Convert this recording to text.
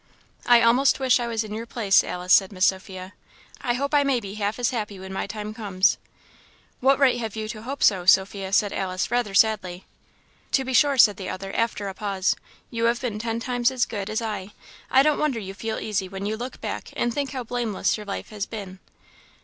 "I almost wish I was in your place, Alice," said Miss Sophia. "I hope I may be half as happy when my time comes." "What right have you to hope so, Sophia?" said Alice, rather sadly. "To be sure," said the other, after a pause, "you have been ten times as good as I. I don't wonder you feel easy when you look back and think how blameless your life has been."